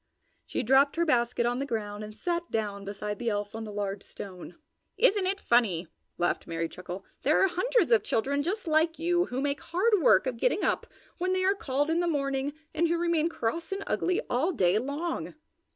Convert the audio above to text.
She dropped her basket on the ground and sat down beside the elf on the large stone. "Isn't it funny?" laughed Merry Chuckle. "There are hundreds of children just like you who make hard work of getting up when they are called in the morning and who remain cross and ugly all day long!"